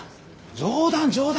冗談冗談。